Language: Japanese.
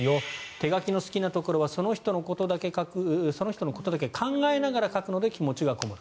手書きの好きなところはその人のことだけ考えながら書くので気持ちがこもる。